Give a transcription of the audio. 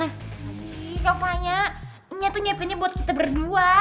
nanti kayaknya nya tuh nyiapinnya buat kita berdua